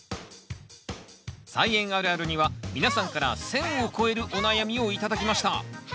「菜園あるある」には皆さんから１，０００を超えるお悩みを頂きました。